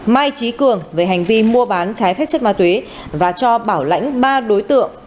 mai trí cường về hành vi mua bán trái phép chất ma túy và cho bảo lãnh ba đối tượng